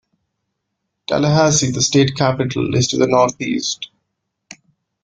Tallahassee, the state capital, is to the northeast.